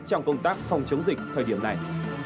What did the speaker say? trong công tác phòng chống dịch thời điểm này